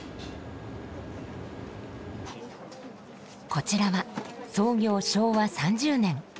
こちらは創業昭和３０年。